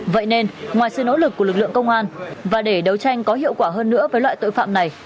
vậy nên ngoài sự nỗ lực của lực lượng công an và để đấu tranh có hiệu quả hơn nữa với loại tội phạm này